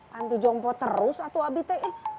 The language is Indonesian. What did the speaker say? pantijompo terus atu abi teh